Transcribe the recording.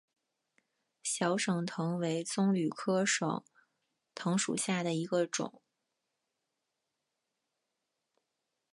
小省藤为棕榈科省藤属下的一个种。